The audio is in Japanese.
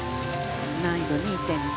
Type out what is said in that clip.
難易度２．５。